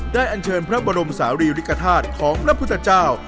อันเชิญพระบรมศาลีริกฐาตุของพระพุทธเจ้า